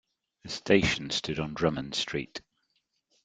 The station stood on Drummond Street.